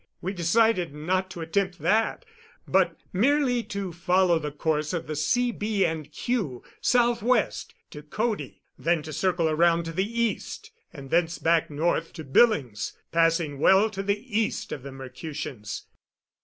We decided not to attempt that, but merely to follow the course of the C., B. and Q. southwest to Cody, then to circle around to the east, and thence back north to Billings, passing well to the east of the Mercutians.